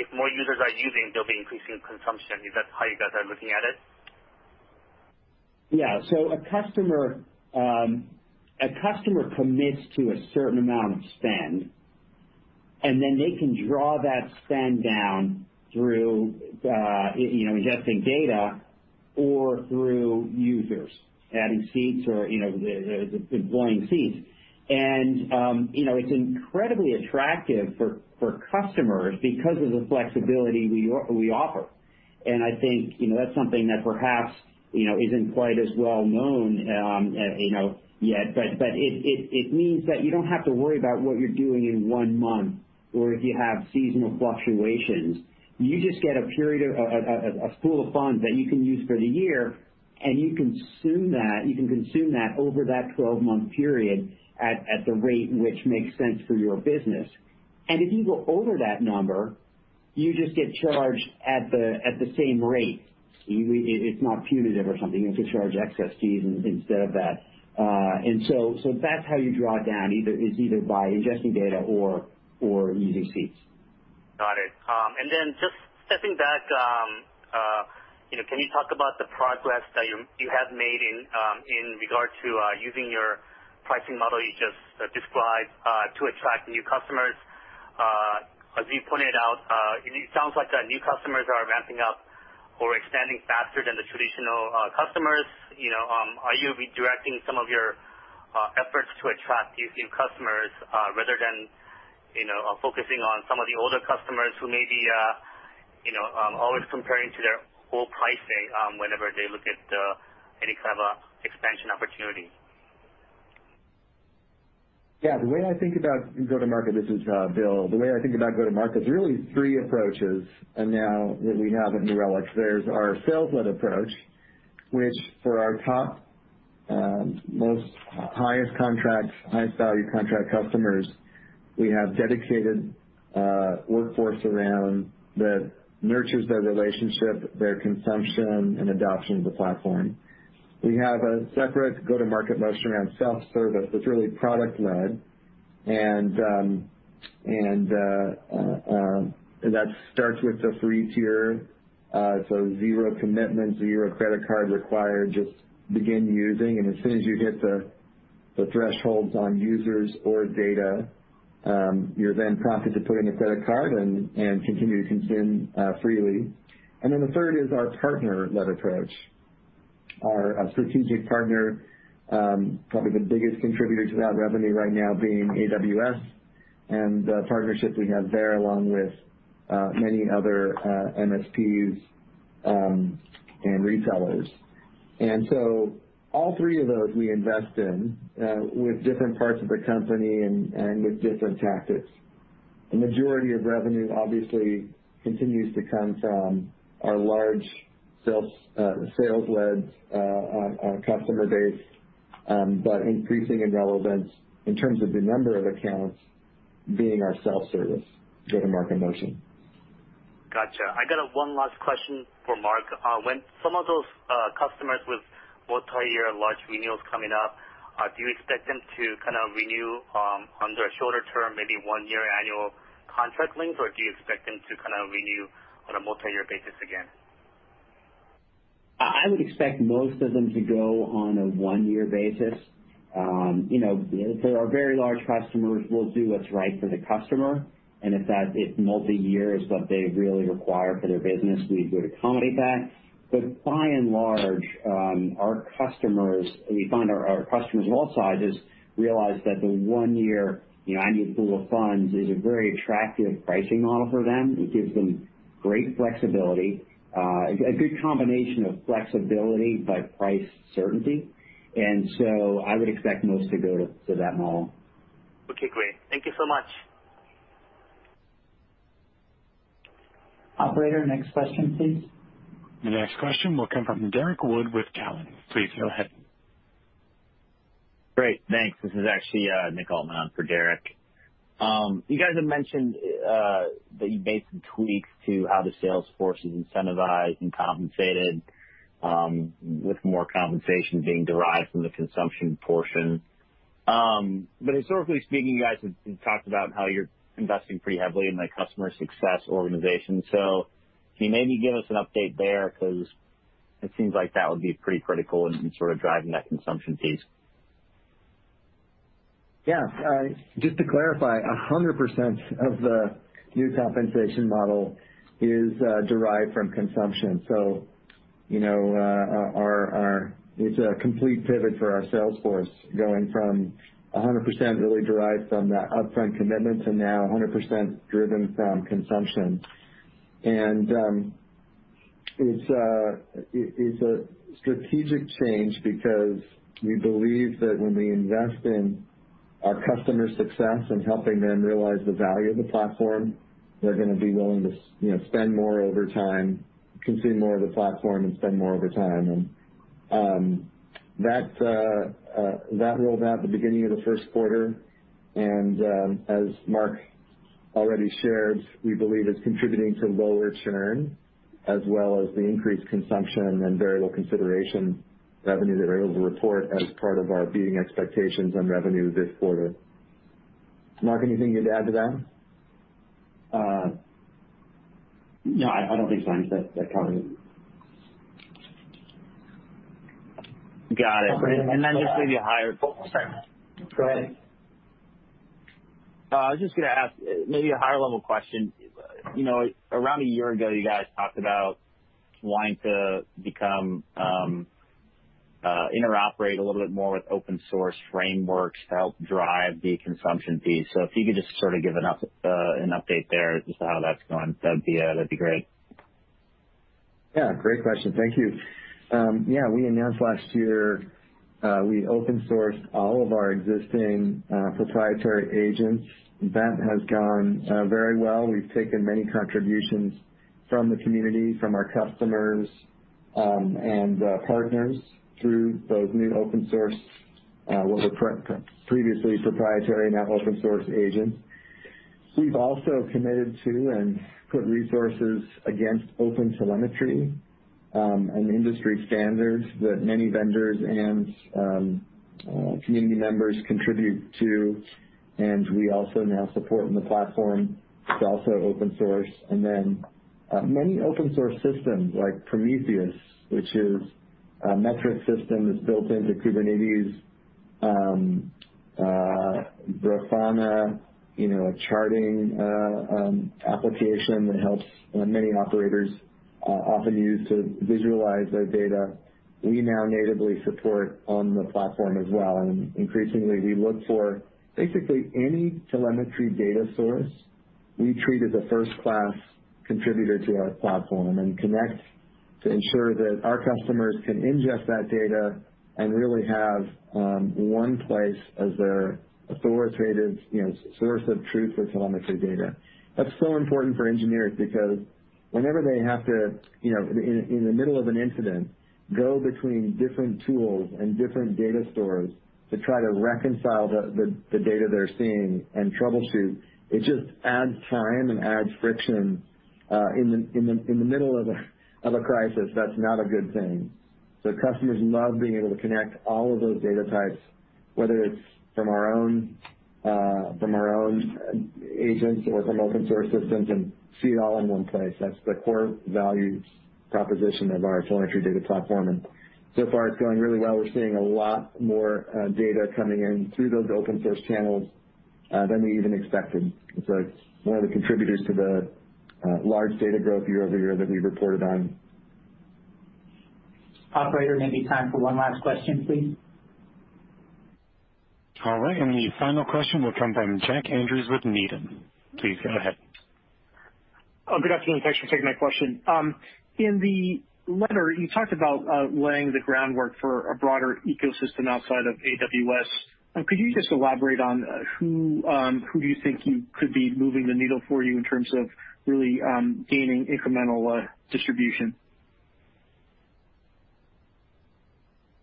if more users are using, there'll be increase in consumption. Is that how you guys are looking at it? Yeah. A customer commits to a certain amount of spend, and then they can draw that spend down through ingesting data or through users, adding seats or deploying seats. It's incredibly attractive for customers because of the flexibility we offer. I think that's something that perhaps isn't quite as well-known yet, but it means that you don't have to worry about what you're doing in one month or if you have seasonal fluctuations. You just get a pool of funds that you can use for the year, and you consume that over that 12-month period at the rate which makes sense for your business. If you go over that number, you just get charged at the same rate. It's not punitive or something. We just charge excess fees instead of that. That's how you draw down, is either by ingesting data or using seats. Got it. Then just stepping back, can you talk about the progress that you have made in regard to using your pricing model you just described to attract new customers? As you pointed out, it sounds like the new customers are ramping up or expanding faster than the traditional customers. Are you redirecting some of your efforts to attract these new customers, rather than focusing on some of the older customers who may be always comparing to their old pricing whenever they look at any kind of expansion opportunity? Yeah. This is Bill. The way I think about go-to-market, there's really three approaches now that we have at New Relic. There's our sales-led approach, which for our top most highest value contract customers, we have dedicated workforce around that nurtures their relationship, their consumption, and adoption of the platform. We have a separate go-to-market motion around self-service that's really product led, and that starts with the free tier. Zero commitment, zero credit card required, just begin using. As soon as you hit the thresholds on users or data, you're then prompted to put in a credit card and continue to consume freely. The third is our partner-led approach. Our strategic partner, probably the biggest contributor to that revenue right now being AWS, and the partnerships we have there, along with many other MSPs, and resellers. All three of those we invest in with different parts of the company and with different tactics. The majority of revenue obviously continues to come from our large sales-led customer base, but increasing in relevance in terms of the number of accounts being our self-service go-to-market motion. Got you. I got one last question for Mark. When some of those customers with multi-year large renewals coming up, do you expect them to renew under a shorter term, maybe one year annual contract length, or do you expect them to renew on a multi-year basis again? I would expect most of them to go on a one-year basis. If they are very large customers, we'll do what's right for the customer, and if multi-year is what they really require for their business, we would accommodate that. By and large, we find our customers of all sizes realize that the one year annual pool of funds is a very attractive pricing model for them. It gives them great flexibility, a good combination of flexibility, but price certainty. I would expect most to go to that model. Okay, great. Thank you so much. Operator, next question, please. The next question will come from Derrick Wood with Cowen. Please go ahead. Great. Thanks. This is actually Nick Altmann for Derrick. You guys have mentioned that you've made some tweaks to how the sales force is incentivized and compensated, with more compensation being derived from the consumption portion. Historically speaking, you guys have talked about how you're investing pretty heavily in the customer success organization. Can you maybe give us an update there? Because it seems like that would be pretty critical in sort of driving that consumption piece. Yeah. Just to clarify, 100% of the new compensation model is derived from consumption. It's a complete pivot for our sales force, going from 100% really derived from the upfront commitment to now 100% driven from consumption. It's a strategic change because we believe that when we invest in our customer success and helping them realize the value of the platform, they're going to be willing to consume more of the platform and spend more over time. That rolled out at the beginning of the first quarter, and as Mark already shared, we believe is contributing to lower churn as well as the increased consumption and variable consideration revenue that we're able to report as part of our beating expectations on revenue this quarter. Mark, anything you'd add to that? No, I don't think so. I think that covered it. Got it. Then just maybe a higher- Go ahead. I was just going to ask maybe a higher level question. Around a year ago, you guys talked about wanting to interoperate a little bit more with open source frameworks to help drive the consumption piece. If you could just sort of give an update there, just how that's going, that'd be great. Yeah, great question. Thank you. Yeah, we announced last year, we open sourced all of our existing proprietary agents. That has gone very well. We've taken many contributions from the community, from our customers, and partners through those new open-source, what were previously proprietary, now open-source agents. We've also committed to and put resources against OpenTelemetry, an industry standard that many vendors and community members contribute to, and we also now support on the platform. It's also open source. Many open-source systems like Prometheus, which is a metrics system that's built into Kubernetes, Grafana, a charting application that helps many operators, often used to visualize their data, we now natively support on the platform as well. Increasingly, we look for basically any telemetry data source, we treat as a first-class contributor to our platform and connect to ensure that our customers can ingest that data and really have one place as their authoritative source of truth for telemetry data. That's so important for engineers because whenever they have to, in the middle of an incident, go between different tools and different data stores to try to reconcile the data they're seeing and troubleshoot, it just adds time and adds friction. In the middle of a crisis, that's not a good thing. Customers love being able to connect all of those data types, whether it's from our own agents or from open source systems, and see it all in one place. That's the core value proposition of our telemetry data platform. So far, it's going really well. We're seeing a lot more data coming in through those open source channels, than we even expected. That's one of the contributors to the large data growth year-over-year that we reported on. Operator, maybe time for one last question, please. All right. The final question will come from Jack Andrews with Needham. Please go ahead. Good afternoon. Thanks for taking my question. In the letter, you talked about laying the groundwork for a broader ecosystem outside of AWS. Could you just elaborate on who do you think could be moving the needle for you in terms of really gaining incremental distribution?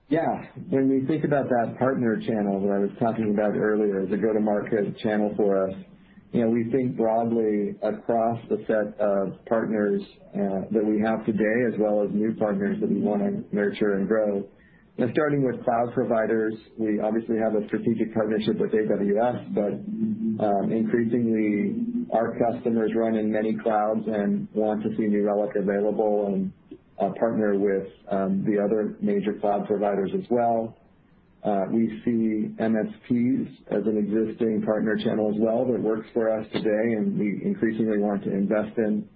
Yeah. When we think about that partner channel that I was talking about earlier as a go-to-market channel for us, we think broadly across the set of partners that we have today, as well as new partners that we want to nurture and grow. Starting with cloud providers, we obviously have a strategic partnership with AWS, but increasingly, our customers run in many clouds and want to see New Relic available and partner with the other major cloud providers as well. We see MSPs as an existing partner channel as well, that works for us today, and we increasingly want to invest in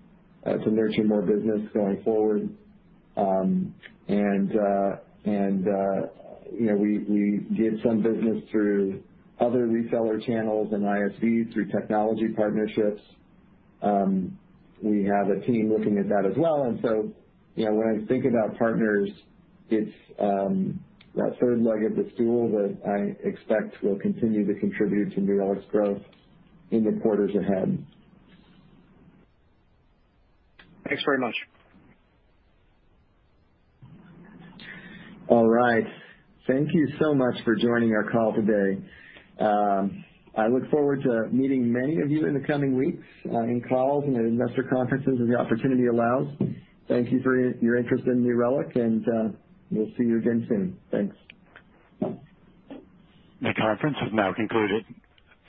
to nurture more business going forward. We get some business through other reseller channels and ISVs through technology partnerships. We have a team looking at that as well. When I think about partners, it's that third leg of the stool that I expect will continue to contribute to New Relic's growth in the quarters ahead. Thanks very much. All right. Thank you so much for joining our call today. I look forward to meeting many of you in the coming weeks, in calls and at investor conferences as the opportunity allows. Thank you for your interest in New Relic, and we'll see you again soon. Thanks. The conference has now concluded.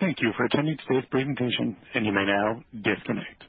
Thank you for attending today's presentation, and you may now disconnect.